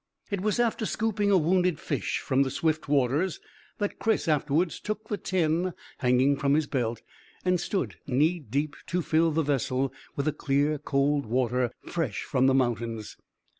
It was after scooping a wounded fish from the swift waters that Chris afterwards took the tin hanging from his belt and stood knee deep to fill the vessel with the clear cold water fresh from the mountains.